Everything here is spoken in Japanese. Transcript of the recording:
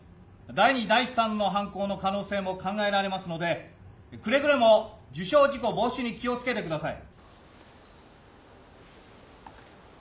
第二、第三の犯行の可能性も考えられますのでくれぐれも受傷事故防止に気を付けてください。